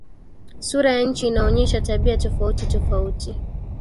Sura ya nchi inaonyesha tabia tofauti tofauti